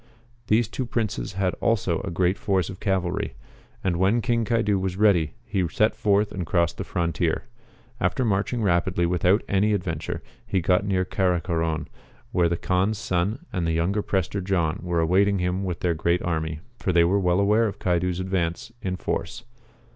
These two j)rinces had also a great force of cavalry. And when King Caidu was ready he set forth and crossed the frontier. After marching rapidly without any adven ture, he got near Caracoron, where the Kaan's son and the younger Prester John were awaiting him with their great army, for they were well aware of Caidu's advance in force.